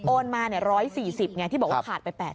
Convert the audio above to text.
โอนมา๑๔๐บาทที่บอกว่าขาดไป๘๐